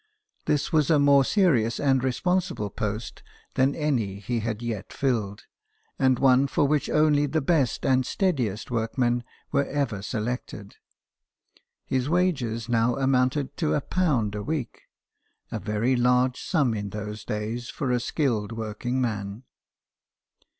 This was a more serious and responsible post than any he had yet filled, and one for which only the best and steadiest workmen were ever selected. His wages now amounted to a pound a week, a very large sum in those days for a skilled working man.